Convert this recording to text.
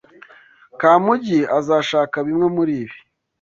Kamugi azashaka bimwe muribi.